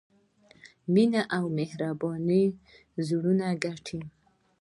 مینه او مهرباني زړونه ګټي.